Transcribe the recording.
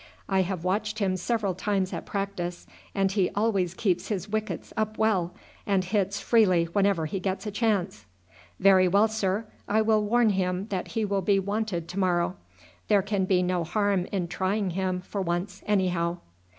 I have watched him several times at practice, and he always keeps his wickets up well, and hits freely whenever he gets a chance." "Very well, sir. I will warn him that he will be wanted to morrow. There can be no harm in trying him for once anyhow."